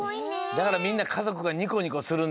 だからみんなかぞくがニコニコするんだね。